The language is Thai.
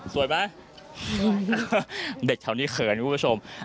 สวยไหม